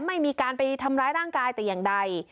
ไม่มีการไปทำร้ายร่างกายแต่อย่างใด